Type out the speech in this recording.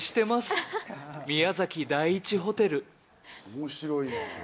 面白いな！